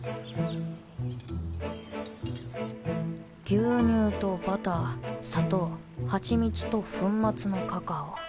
牛乳とバター砂糖ハチミツと粉末のカカオ。